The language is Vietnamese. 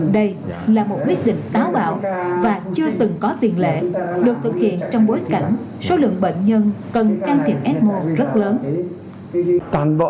đây là một quyết định táo bạo và chưa từng có tiền lệ được thực hiện trong bối cảnh số lượng bệnh nhân cần can thiệp f một rất lớn